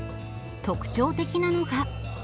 特徴的なのが。